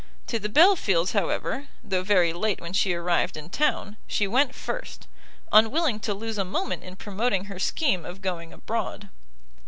To the Belfields, however, though very late when she arrived in town, she went first, unwilling to lose a moment in promoting her scheme of going abroad.